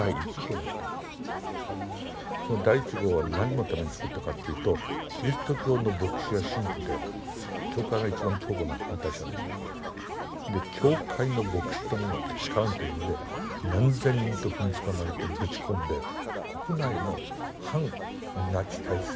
その第１号は何のために作ったかっていうとキリスト教の牧師や神父で教会が一番強固な反対者でしたからで教会の牧師どもがけしからんというので何千人とふん捕まえてぶち込んで国内の反ナチ体制をぶっ潰すため。